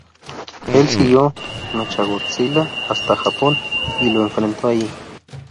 Él siguió a Mechagodzilla hasta Japón y lo enfrentó allí.